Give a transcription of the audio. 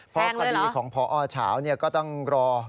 แซงด้วยเหรอเพราะคดีของพอเฉาเนี่ยก็ต้องรอ